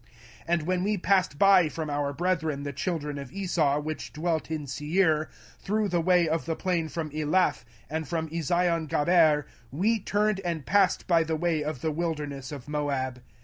05:002:008 And when we passed by from our brethren the children of Esau, which dwelt in Seir, through the way of the plain from Elath, and from Eziongaber, we turned and passed by the way of the wilderness of Moab.